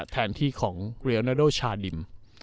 แถนที่ของเรียนาโดร์ชาดิม